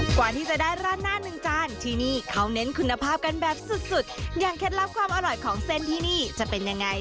กว่าที่จะได้ราดหน้าหนึ่งจานที่นี่เขาเน้นคุณภาพกันแบบสุดสุดอย่างเคล็ดลับความอร่อยของเส้นที่นี่จะเป็นยังไง